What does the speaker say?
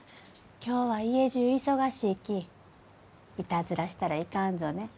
今日は家じゅう忙しいき。いたずらしたらいかんぞね。